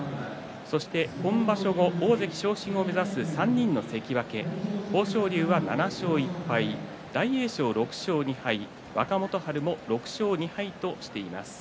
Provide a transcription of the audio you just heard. そして、今場所大関昇進目指す３人の関脇豊昇龍は７勝１敗大栄翔、６勝２敗若元春も６勝２敗としています。